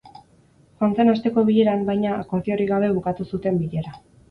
Joan zen asteko bileran, baina, akordiorik gabe bukatu zuten bilera.